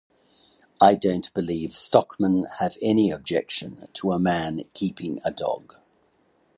I don't believe stockmen have any objection to a man keeping a dog.